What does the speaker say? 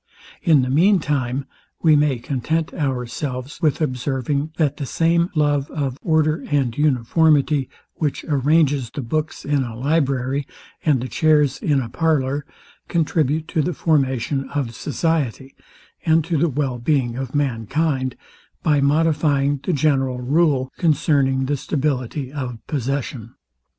In the mean time, we may content ourselves with observing, that the same love of order and uniformity, which arranges the books in a library, and the chairs in a parlour, contribute to the formation of society, and to the well being of mankind, by modifying the general rule concerning the stability of possession.